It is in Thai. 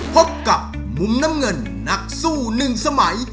พบกับมุมน้ำเงินนักสู้หนึ่งสมัย